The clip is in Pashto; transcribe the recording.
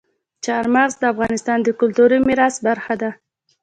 چار مغز د افغانستان د کلتوري میراث برخه ده.